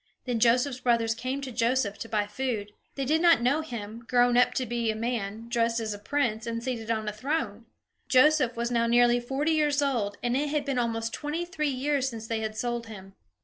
Then Joseph's brothers came to Joseph to buy food. They did not know him, grown up to be a man, dressed as a prince, and seated on a throne. Joseph was now nearly forty years old, and it had been almost twenty three years since they had sold him.